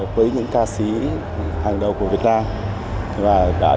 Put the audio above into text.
với những ca sĩ hàng đầu của việt nam